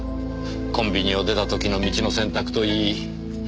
コンビニを出た時の道の選択といい不可解ですねぇ。